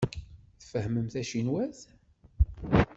Tfehhmem tacinwat?